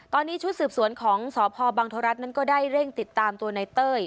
ตอนนี้ชุดสืบสวนของสพบังทรัฐนั้นก็ได้เร่งติดตามตัวในเต้ย